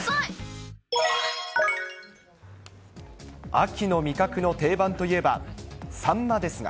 秋の味覚の定番といえばサン